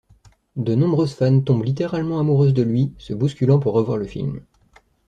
De nombreuses fans tombent littéralement amoureuses de lui, se bousculant pour revoir le film.